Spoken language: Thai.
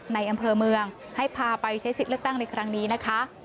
ในอำเภอเมืองให้พาไปใช้สิทธิ์เลือกตั้งในครั้งนี้นะคะ